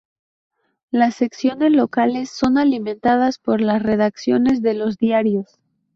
Las secciones locales son alimentadas por las redacciones de los diarios.